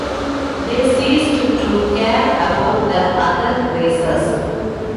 They ceased to care about the other races.